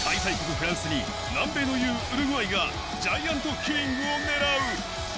フランスに南米の雄・ウルグアイがジャイアントキリングを狙う。